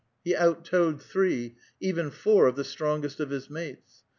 He out towed three, even four, of the strongest of his mates.